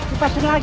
kepas lagi dong